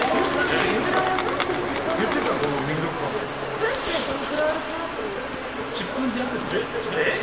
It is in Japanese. それってどのぐらい歩きます？